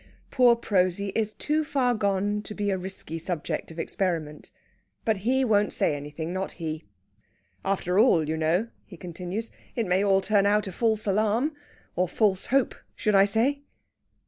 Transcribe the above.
Poor Prosy is too far gone to be a risky subject of experiment. But he won't say anything not he! "After all, you know," he continues, "it may all turn out a false alarm. Or false hope, should I say?"